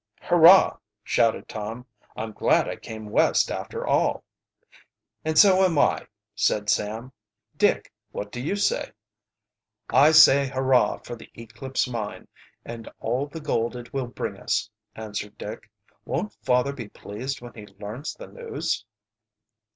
"Hurrah!" shouted Tom. "I'm glad I came West, after all." "And so am I," said Sam. "Dick, what do you say?" "I say hurrah for the Eclipse Mine, and all the gold it will bring us," answered Dick. "Won't father be pleased when he learns the news?"